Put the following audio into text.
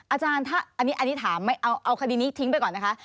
อาจารย์ถ้าอันนี้ถามเอาคดีนี้ทิ้งไปก่อนนะคะ